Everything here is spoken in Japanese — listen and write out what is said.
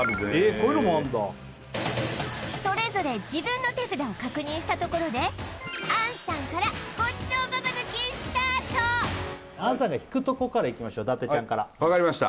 こういうのもあんだそれぞれ自分の手札を確認したところで杏さんからごちそうババ抜きスタート杏さんが引くとこからいきましょう伊達ちゃんから分かりました